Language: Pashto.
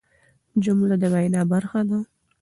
جمله د وینا برخه ده.